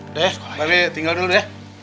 udah ya mbak be tinggal dulu ya